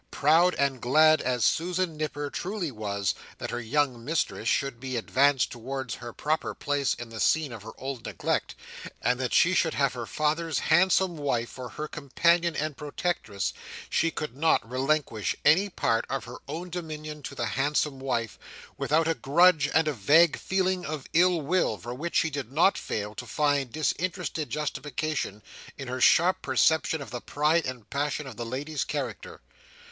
Proud and glad as Susan Nipper truly was, that her young mistress should be advanced towards her proper place in the scene of her old neglect, and that she should have her father's handsome wife for her companion and protectress, she could not relinquish any part of her own dominion to the handsome wife, without a grudge and a vague feeling of ill will, for which she did not fail to find a disinterested justification in her sharp perception of the pride and passion of the lady's character.